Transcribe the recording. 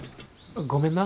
ごめんな。